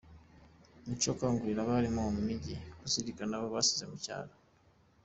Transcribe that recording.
Mico akangurira abari mu mijyi kuzirikana abo basize mu byaro